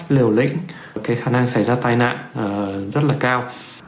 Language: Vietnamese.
liều lĩnh cái khả năng xảy ra tai nạn rất là cao